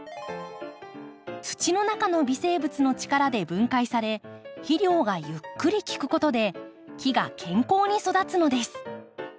土の中の微生物の力で分解され肥料がゆっくり効くことで木が健康に育つのです。